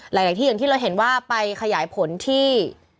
หลายที่อย่างที่เราเห็นว่าไปขยายผลที่